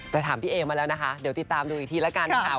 แต่ถามพี่เอมาแล้วนะคะเดี๋ยวติดตามดูอีกทีแล้วกันนะคะ